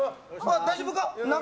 大丈夫か？